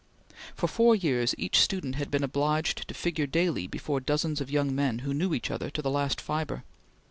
For four years each student had been obliged to figure daily before dozens of young men who knew each other to the last fibre.